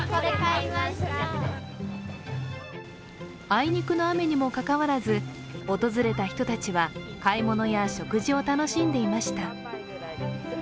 あいにくの雨にもかかわらず訪れた人たちは買い物や食事を楽しんでいました。